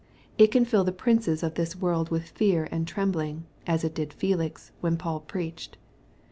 It can fill the princes of this world with fear and trembling, as it did Felix, when Paul preached.